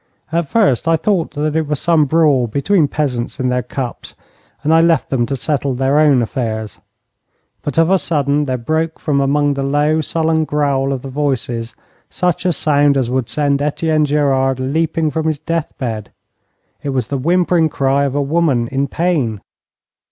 At first I thought that it was some brawl between peasants in their cups, and I left them to settle their own affairs. But of a sudden there broke from among the low, sullen growl of the voices such a sound as would send Etienne Gerard leaping from his death bed. It was the whimpering cry of a woman in pain.